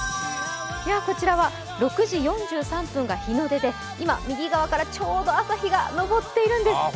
こちらは６時４３分が日の出で今、右側からちょうど朝日が昇っているんです。